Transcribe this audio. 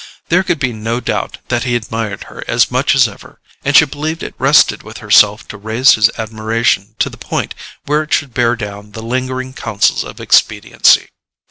There could be no doubt that he admired her as much as ever, and she believed it rested with herself to raise his admiration to the point where it should bear down the lingering counsels of expediency.